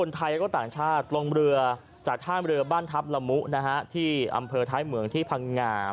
ต้องใช้โชคลาฟด้วยนะ